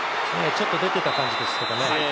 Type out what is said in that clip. ちょっと出てた感じですけどね。